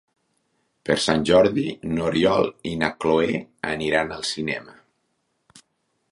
Per Sant Jordi n'Oriol i na Cloè aniran al cinema.